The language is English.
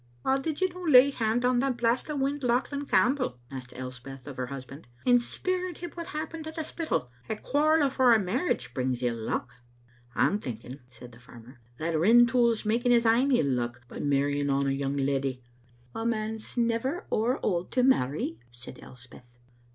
" How did you no lay haud on that blast o' wind, Lauchlan Campbell," asked Elspeth of her husband, "and speir at him what had happened at the Spittal? A quarrel afore a marriage brings ill luck. *' "I'm thinking," said the farmer, "that Rintoul's making his ain ill luck by marrying on a young leddy." "A man's never ower auld to marry," said Elspeth.